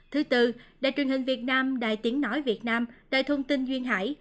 thứ tư đại truyền hình việt nam đại tiếng nói việt nam đại thông tin duyên hải